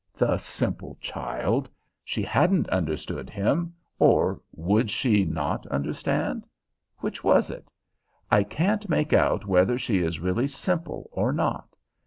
The simple child! She hadn't understood him, or would she not understand? Which was it? I can't make out whether she is really simple or not.